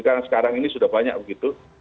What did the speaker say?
karena sekarang ini sudah banyak begitu